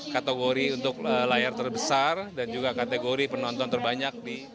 kategori untuk layar terbesar dan juga kategori penonton terbanyak